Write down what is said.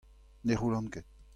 Ne c'houllan ket.